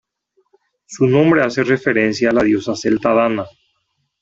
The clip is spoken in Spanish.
Su nombre hace referencia a la diosa celta Dana.